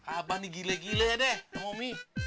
abah nih gile gile deh sama umi